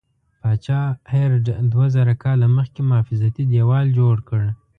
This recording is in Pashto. پاچا هرډ دوه زره کاله مخکې محافظتي دیوال جوړ کړ.